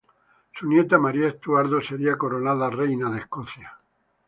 Su nieta María Estuardo sería coronada reina de Escocia.